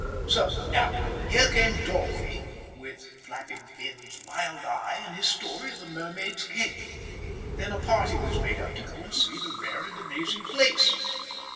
So, now, here came Dolphy, with flapping fins, wild eye, and his story of a mermaid's cave. Then a party was made up to go and see the rare and amazing place.